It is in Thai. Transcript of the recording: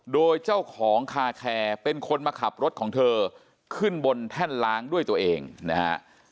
โดยเจ้าของคาแคร์เป็นคนมาขับรถของเธอขึ้นบนแท่นล้างด้วยตัวเองนะฮะ